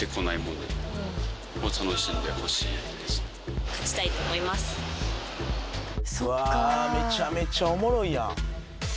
うわめちゃめちゃおもろいやん。